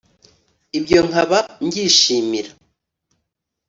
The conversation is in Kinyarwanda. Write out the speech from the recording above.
ibyo nkaba mbyishimira